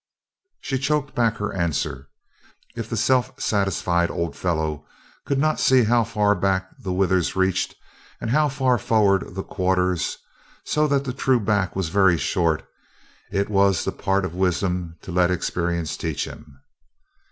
She choked back her answer. If the self satisfied old fellow could not see how far back the withers reached and how far forward the quarters, so that the true back was very short, it was the part of wisdom to let experience teach him.